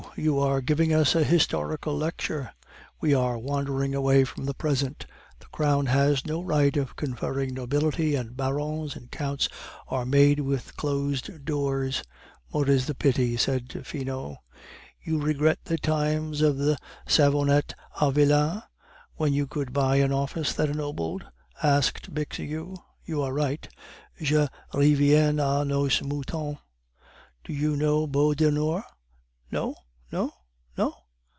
you are giving us an historical lecture, we are wandering away from the present, the crown has no right of conferring nobility, and barons and counts are made with closed doors; more is the pity!" said Finot. "You regret the times of the savonnette a vilain, when you could buy an office that ennobled?" asked Bixiou. "You are right. Je reviens a nos moutons. Do you know Beaudenord? No? no? no?